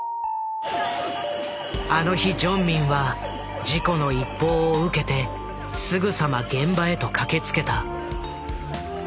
あの日ジョンミンは事故の一報を受けてすぐさま現場へと駆けつけた。